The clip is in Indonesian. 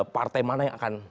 partai mana yang akan